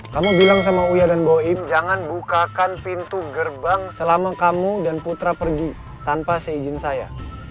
kamu bilang sama uya dan boim jangan bukakan pintu gerbang selama kamu dan putra pergi tanpa seizin saya